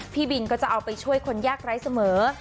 พี่บินก็จะเอาไปช่วยคนยากไร้เสมอ